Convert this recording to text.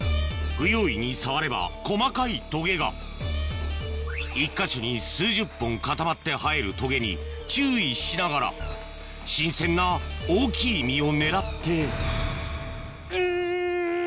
不用意に触れば細かいトゲが１か所に数十本固まって生えるトゲに注意しながら新鮮な大きい実を狙ってんん！